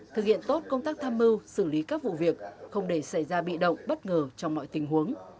thực hiện tốt công tác tham mưu xử lý các vụ việc không để xảy ra bị động bất ngờ trong mọi tình huống